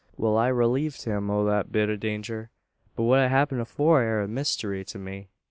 Wal, I relieved him o' that bit o' danger; but what happened afore air a mystery to me.